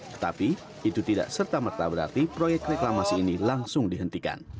tetapi itu tidak serta merta berarti proyek reklamasi ini langsung dihentikan